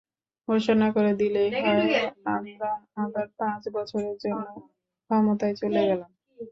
ঘোষণা করে দিলেই হয়, আমরা আবার পাঁচ বছরের জন্য ক্ষমতায় চলে গেলাম।